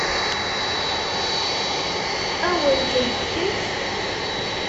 Ad wen-ten-fkent?